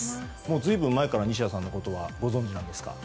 随分、前から西矢さんのことはご存じなんですか？